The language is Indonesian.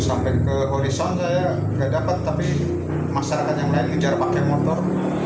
sampai ke horizon saya nggak dapat tapi masyarakat yang lain kejar pakai motor